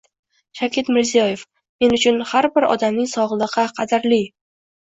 Shavkat Mirziyoyev: Men uchun har bir odamning sog‘lig‘i qadrling